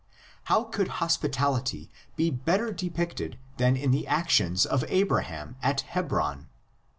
How could hospitality be better depicted than in the actions of Abraham at Hebron?